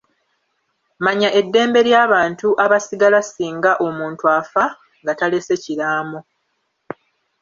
Manya eddembe ly’abantu abasigala singa omuntu afa nga talesse kiraamo.